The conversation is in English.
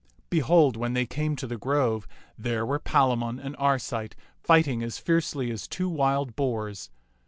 Behold, when they came to the grove, there were Palamon and Arcite fighting as fiercely as two wild boars.